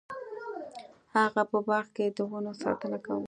هغه په باغ کې د ونو ساتنه کوله.